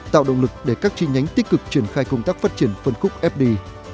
tạo động lực để các chi nhánh tích cực triển khai công tác phát triển phân khúc fdi